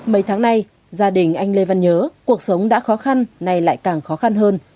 mấy tháng nay gia đình anh lê văn nhớ cuộc sống đã khó khăn nay lại càng khó khăn hơn